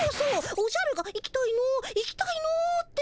おじゃるが「行きたいの行きたいの」って。